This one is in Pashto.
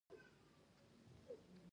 یو چرګ په خځلو کې یوه ملغلره وموندله.